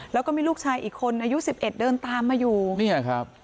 แล้วก็มีลูกชายอีกคนอายุสิบเอ็ดเดินตามมาอยู่เนี่ยครับ